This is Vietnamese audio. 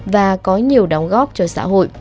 và có nhiều đóng góp cho xã hội